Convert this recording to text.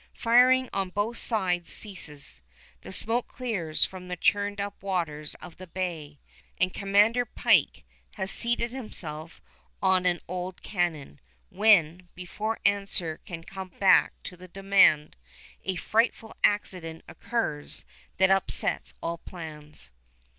Firing on both sides ceases. The smoke clears from the churned up waters of the bay, and Commander Pike has seated himself on an old cannon, when, before answer can come back to the demand, a frightful accident occurs that upsets all plans.